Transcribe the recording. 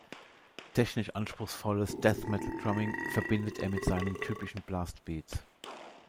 Technisch anspruchsvolles Death-Metal-Drumming verbindet er mit seinen typischen Blastbeats.